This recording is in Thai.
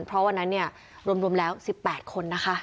เพราะวันนั้นเนี่ยรวมแล้ว๑๘คนนะคะ